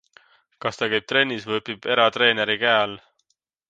Kas ta käib trennis või õpib eratreeneri käe all?